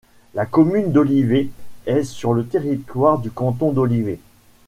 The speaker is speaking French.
La commune d'Olivet est sur le territoire du canton d'Olivet.